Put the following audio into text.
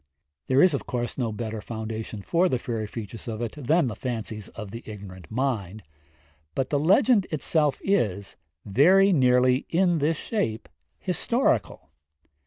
There is of course no better foundation for the fairy features of it than the fancies of the ignorant mind, but the legend itself is very nearly in this shape historical.